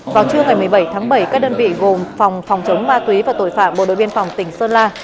vào trưa ngày một mươi bảy tháng bảy các đơn vị gồm phòng phòng chống ma túy và tội phạm bộ đội biên phòng tỉnh sơn la